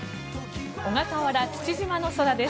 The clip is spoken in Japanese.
小笠原・父島の空です。